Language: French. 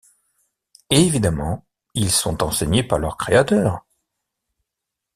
Évidemment, ils sont enseignés par leurs créateurs.